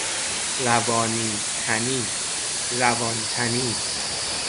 روانی - تنی، روان تنی